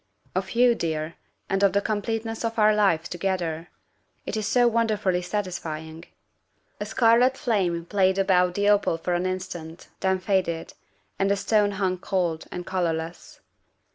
" Of you, dear, and of the completeness of our life together. It is so wonderfully satisfying." A scarlet flame played about the opal for an instant, then faded, and the stone hung cold and colorless.